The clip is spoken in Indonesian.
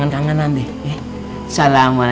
makasihistry waktu pukul pertama nih